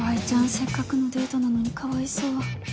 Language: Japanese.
せっかくのデートなのにかわいそう。